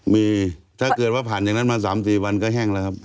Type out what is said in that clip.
มีถ้าเกิดว่าผ่านอย่างนั้นมา๓๔วันก็แห้งแล้วครับ